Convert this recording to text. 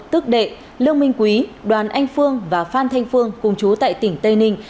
tức đệ lương minh quý đoàn anh phương và phan thanh phương cùng chú tại tỉnh tây ninh